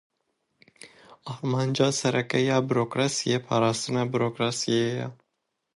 Armanca sereke ya burokrasiyê, parastina burokrasiyê ye.